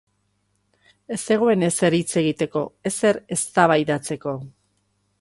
Ez zegoen ezer hitz egiteko, ezer eztabaidatzeko.